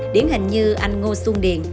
điển hình như anh ngô xuân điền